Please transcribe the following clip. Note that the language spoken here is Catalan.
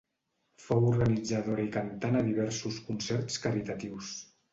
Fou organitzadora i cantant a diversos concerts caritatius.